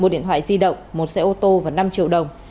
một điện thoại di động một xe ô tô và năm triệu đồng